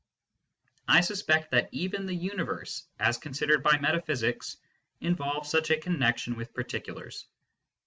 I suspect that even the Universe, as considered by metaphysics, involves such a connection with particulars.